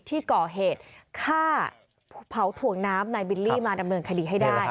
ที่ก่อเหตุฆ่าเผาถ่วงน้ำนายบิลลี่มาดำเนินคดีให้ได้